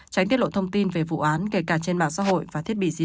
tránh tiết lộ thông tin về vụ án kể cả trên mạng xã hội và thiết bị di động